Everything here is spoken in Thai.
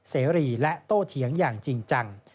เสรีและโตเถียงอย่างจริงจัง